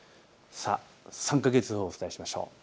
３か月予報をお伝えしましょう。